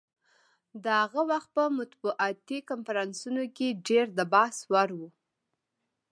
د هغه وخت په مطبوعاتي کنفرانسونو کې ډېر د بحث وړ.